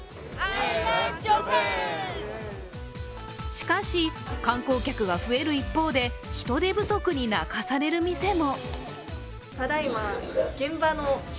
しかし、観光客は増える一方で人手不足に泣かさせる店も。